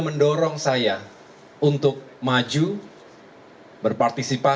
sebelum menutupi perjalanan kita